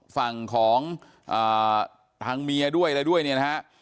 ฝั่งของเอ่อทางเมียด้วยและด้วยเนี้ยนะฮะ